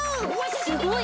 すごい！